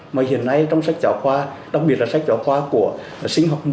mà hiện nay trong sách giáo khoa đặc biệt là sách giáo khoa của sinh học một